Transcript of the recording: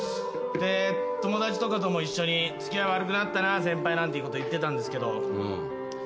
で友達とかとも一緒に付き合い悪くなったな先輩なんていうこと言ってたんですけど。